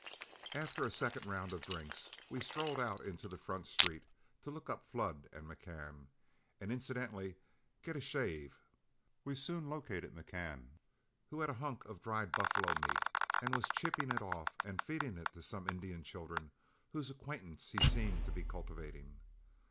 After a second round of drinks, we strolled out into the front street to look up Flood and McCann, and incidentally get a shave. We soon located McCann, who had a hunk of dried buffalo meat, and was chipping it off and feeding it to some Indian children whose acquaintance he seemed to be cultivating.